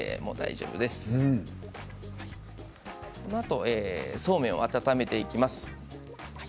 このあとそうめんを温めていきます。